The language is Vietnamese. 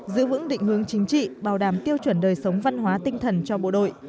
giữ vững định hướng chính trị bảo đảm tiêu chuẩn đời sống văn hóa tinh thần cho bộ đội